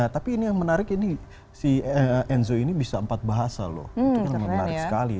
tapi ini yang menarik ini si enzo ini bisa empat bahasa loh itu kan menarik sekali